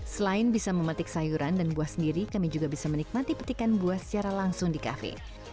selain bisa memetik sayuran dan buah sendiri kami juga bisa menikmati petikan buah secara langsung di kafe